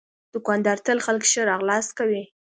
دوکاندار تل خلک ښه راغلاست کوي.